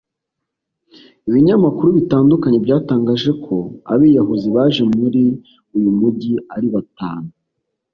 Ibinyamakuru bitandukanye byatangaje ko abiyahuzi baje muri uyu mujyi ari batanu